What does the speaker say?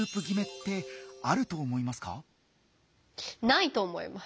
ないと思います。